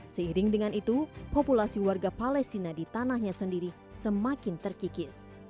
seiring dengan itu populasi warga palestina di tanahnya sendiri semakin terkikis